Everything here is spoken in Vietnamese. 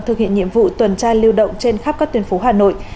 thực hiện nhiệm vụ tuần tra lưu động trên khắp các tuyến phố hà nội